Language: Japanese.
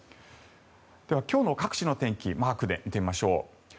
では、今日の各地の天気マークで見てみましょう。